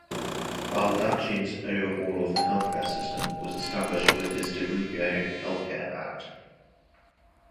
Baldacci's overhaul of the healthcare system was established with his Dirigo Health Care Act.